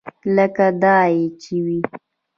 لکه دای چې و.